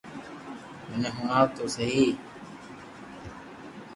مني ھڻاو تو سھي